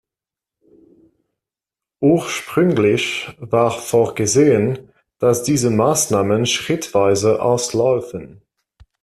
Ursprünglich war vorgesehen, dass diese Maßnahmen schrittweise auslaufen.